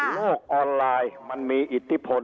โลกออนไลน์มันมีอิทธิพล